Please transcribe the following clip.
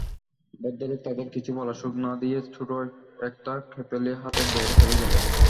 ভদ্রলোক তাঁদের কিছু বলার সুযোগ না-দিয়ে ছোটো একটা কেতলি হাতে বের হয়ে গেলেন।